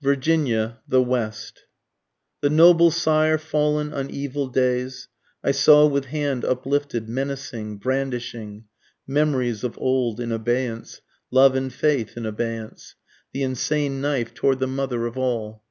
VIRGINIA THE WEST. The noble sire fallen on evil days, I saw with hand uplifted, menacing, brandishing, (Memories of old in abeyance, love and faith in abeyance,) The insane knife toward the Mother of All.